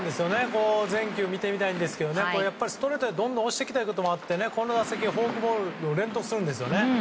全球見てみたいんですがストレートでどんどん押していきたいところもあってこの打席、フォークボールを連投するんですよね。